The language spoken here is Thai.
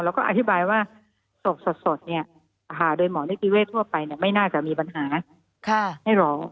แล้วก็อธิบายว่าศพสดโรงพยาบาลพระปุกราวโดยหมอนิติเวททั่วไปไม่น่าจะมีปัญหาให้รอ